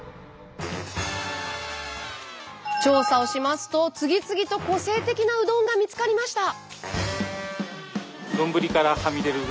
調査をしますと次々と個性的なうどんが見つかりました。